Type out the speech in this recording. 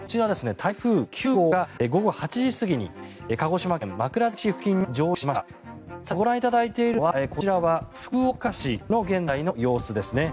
台風９号が午後８時過ぎに鹿児島県枕崎市付近にご覧いただいているのは福岡市の現在の様子ですね。